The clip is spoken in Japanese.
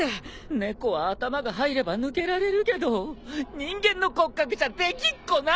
猫は頭が入れば抜けられるけど人間の骨格じゃできっこない！